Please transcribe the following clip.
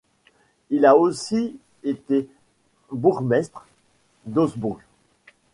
Il a aussi été bourgmestre d'Augsbourg.